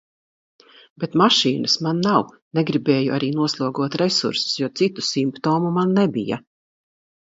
Bet mašīnas man nav. Negribēju arī noslogot resursus, jo citu simptomu man nebija.